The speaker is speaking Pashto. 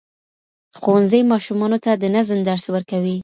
ښوونځي ماشومانو ته د نظم درس ورکوي.